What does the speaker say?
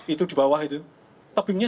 itu di bawah itu tebingnya